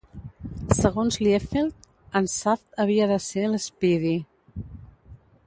Segons Liefeld, en Shaft havia de ser l'Speedy.